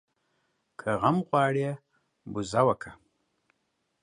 که غم غواړې ، بزه وکه.